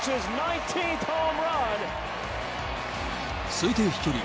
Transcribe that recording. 推定飛距離